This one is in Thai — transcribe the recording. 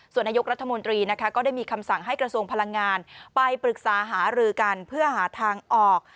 ส่วนนายกรัฐมนตรีนะคะก็ได้มีคำสั่งให้กระทรวงพลังงานไปปรึกษาหารือกันเพื่อหาทางออก